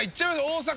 大阪。